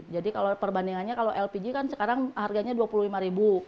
kalau perbandingannya kalau lpg kan sekarang harganya rp dua puluh lima